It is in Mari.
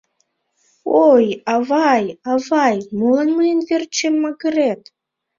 Ой, авай, авай, молан мыйын верчем магырет?